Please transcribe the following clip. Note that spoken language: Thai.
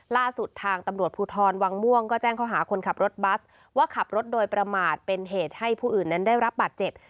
ล่าสุดทางตำรวจภูทรวังม่วงก็แจ้งข้อหาคนขับรถบัสว่าขับรถโดยประมาทเป็นเหตุให้ผู้อื่นนั้นได้รับบาดเจ็บ